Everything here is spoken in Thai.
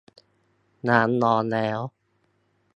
น้ำร้อนแล้ว